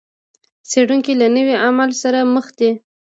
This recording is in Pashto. څېړونکي له نوي عامل سره مخ دي.